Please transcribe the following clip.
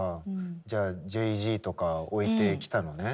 じゃあＪａｙ‐Ｚとか置いてきたのね。